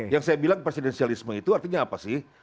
yang saya bilang presidensialisme itu artinya apa sih